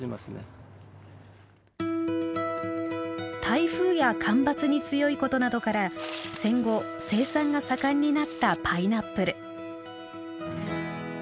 台風や干ばつに強いことなどから戦後生産が盛んになったパイナップル。